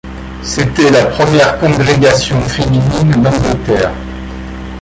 C'était la première congrégation féminine d'Angleterre.